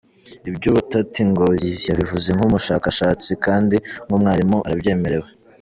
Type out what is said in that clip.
Iby’ubutati ngo yabivuze nk’umushakashatsi kandi nk’umwalimu arabyemerewe.